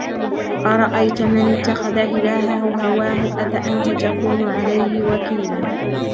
أَرَأَيْتَ مَنِ اتَّخَذَ إِلَهَهُ هَوَاهُ أَفَأَنْتَ تَكُونُ عَلَيْهِ وَكِيلًا